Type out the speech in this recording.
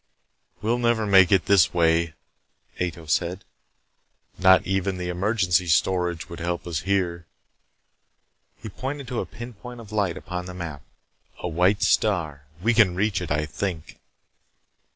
"We'll never make it this way," Ato said. "Not even the emergency storage would help us. Here," he pointed to a pinpoint of light upon the map. "A white star. We can reach it, I think."